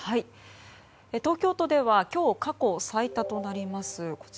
東京都では今日過去最多となります